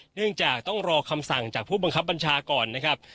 เนื่องจากต้องรอคำสั่งจากผู้บังคับบัญชาก่อนนะครับ